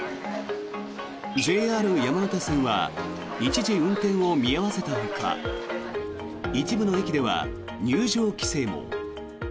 ＪＲ山手線は一時運転を見合わせたほか一部の駅では入場規制も。